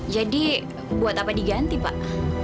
jadi buat apa diganti pak